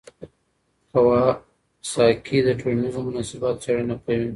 کواساکي د ټولنیزو مناسباتو څېړنه کوي.